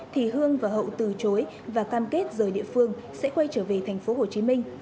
thì hương và hậu từ chối và cam kết rời địa phương sẽ quay trở về thành phố hồ chí minh